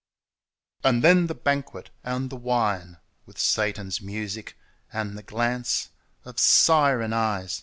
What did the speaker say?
•••• And then the banquet and the wine With Satan'^ music and the glance Of siren eyes.